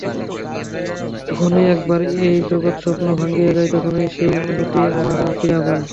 যখনই একবার এই জগৎস্বপ্ন ভাঙিয়া যায়, তখনই সেই অনুভূতি আমরা ফিরিয়া পাই।